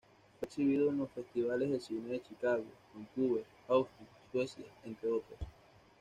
Fue exhibido en los festivales de cine de Chicago, Vancouver, Austin, Suecia, entre otros.